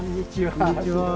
こんにちは。